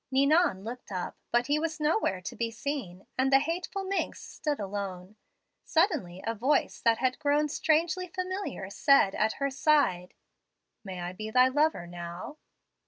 "Ninon looked up, but he was nowhere to be seen, and the 'hateful minx' stood alone. Suddenly a voice that had grown strangely familiar said at her side, 'May I be thy lover now?'